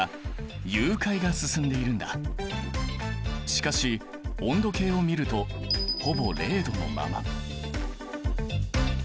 しかし温度計を見るとほぼ０℃のまま。